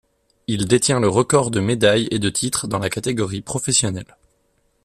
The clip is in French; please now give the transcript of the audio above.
Il détient le record de médailles et de titres dans la catégorie professionnelle.